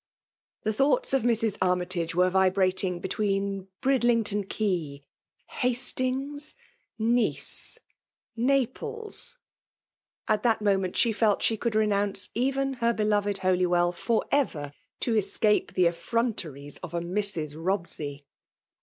The thoughts of Mnu Anaytage were vibrating between BridUngtQn Qu«y;«^Hastings, — ^Nice, — Naples. At th^t niament she felt that she could renounce even her beloved Holywell for ever, to escape the feSronteries of a Mrs. Robsey.